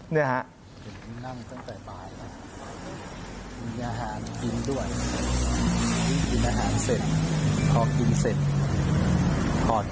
ไม่รู้ว่าพระอาทิตย์เป็นพระปอม